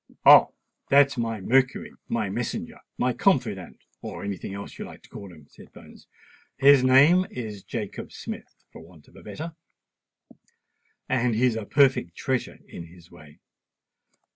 "Oh! that's my Mercury—my messenger—my confidant—or any thing else you like to call him," said Bones. "His name Is Jacob Smith, for want of a better—and he's a perfect treasure in his way.